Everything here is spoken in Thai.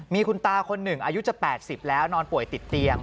มีคุณตาคนหนึ่งอายุจะ๘๐แล้วนอนป่วยติดเตียง